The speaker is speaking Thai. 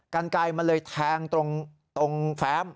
กันไกลมันเลยแทงตรงแฟ้ม